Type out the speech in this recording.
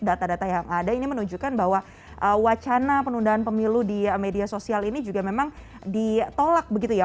data data yang ada ini menunjukkan bahwa wacana penundaan pemilu di media sosial ini juga memang ditolak begitu ya